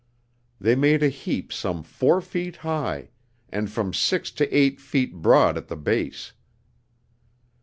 They made a heap some four feet high, and from six to eight feet broad at the base.